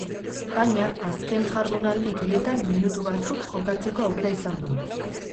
Baina, azken jardunaldi bietan minutu batzuk jokatzeko aukera izan du.